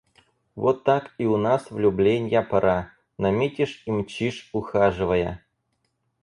Вот так и у нас влюбленья пора: наметишь — и мчишь, ухаживая.